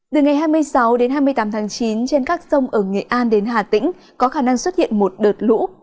từ ngày hai mươi sáu đến hai mươi tám tháng chín trên các sông ở nghệ an đến hà tĩnh có khả năng xuất hiện một đợt lũ